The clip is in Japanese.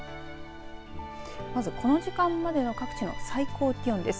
まずこの時間までの各地の最高気温です。